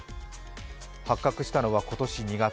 発覚したのは今年２月。